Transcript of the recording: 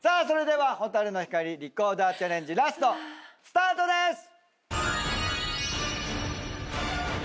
それでは『蛍の光』リコーダーチャレンジラストスタートです！